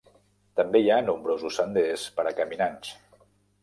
També hi ha nombrosos senders per a caminants.